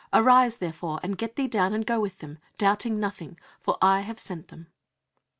Arise, therefore, and get thee down, and go with them, doubting nothing: for I have sent them" (Acts x.